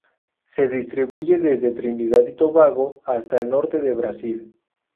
Se distribuye desde Trinidad y Tobago hasta el norte de Brasil.